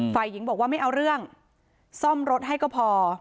ฝ่ายหญิงบอกว่าไม่เอาเรื่องซ่อมรถให้ก็พอ